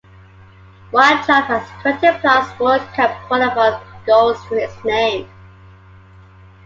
Wanchope has twenty plus World Cup qualifier goals to his name.